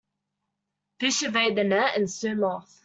Fish evade the net and swim off.